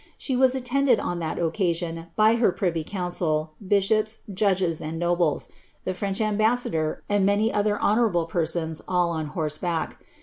She was attended on that occasion, by her pmy* bishops, judges, and nobles; the French ambaseador, and aaa honourable persnns »'l nn horsf back.